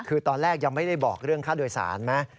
คือตอนแรกยังไม่ได้บอกเรื่องค่าโดยสารไหม